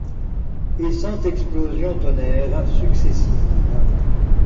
Et cent explosions tonnèrent, successives.